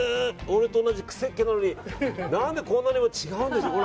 俺と同じくせっ毛なのに何でこんなにも違うんでしょう。